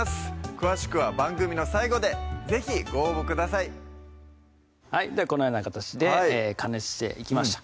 詳しくは番組の最後で是非ご応募くださいではこのような形で加熱していきました